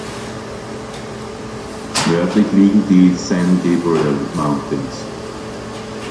Nördlich liegen die San Gabriel Mountains.